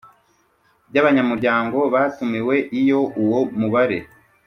by abanyamuryango batumiwe Iyo uwo mubare